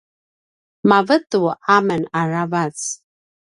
mavetu amen aravac